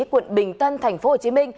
quận bình tân tp hcm